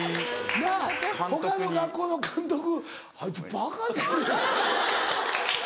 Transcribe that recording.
なぁ他の学校の監督「あいつバカじゃない？」。